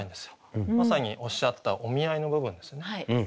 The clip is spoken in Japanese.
まさにおっしゃった「お見合い」の部分ですよね。